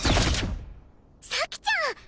咲ちゃん！